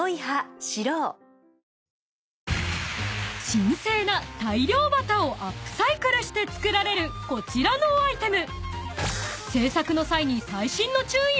［神聖な大漁旗をアップサイクルして作られるこちらのアイテム］